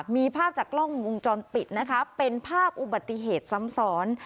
มีภาพจากกล้องวงจรปิดนะคะเป็นภาพอุบัติเหตุซ้ำซ้อน